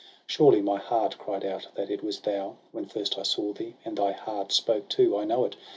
Surely my heart cried out that it was thou. When first I saw thee; and thy heart spoke too, I know it!